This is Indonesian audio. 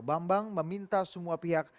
bambang meminta semua pihak